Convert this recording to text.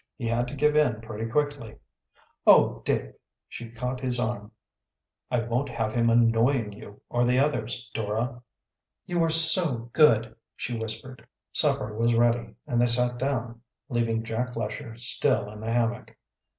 He had to give in pretty quickly." "Oh, Dick!" She caught his arm. "I won't have him annoying you, or the others, Dora." "You are so good!" she whispered. Supper was ready, and they sat down, leaving Jack Lesher still in the hammock.